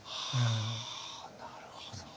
なるほど。